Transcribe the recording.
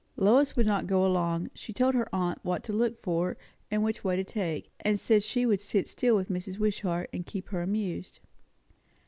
Lois would not go along; she told her aunt what to look for, and which way to take, and said she would sit still with Mrs. Wishart and keep her amused.